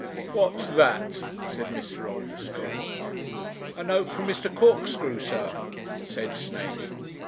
'What's that?' said Mr. Oldeschole. 'A note from Mr. Corkscrew, sir,' said Snape.